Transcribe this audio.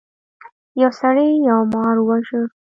یو سړي یو مار وواژه.